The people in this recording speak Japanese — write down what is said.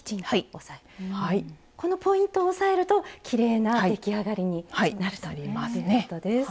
このポイントを押さえるときれいな出来上がりになるということです。